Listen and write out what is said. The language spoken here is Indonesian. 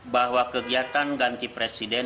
bahwa kegiatan ganti presiden